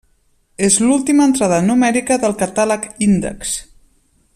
És l'última entrada numèrica del catàleg índex.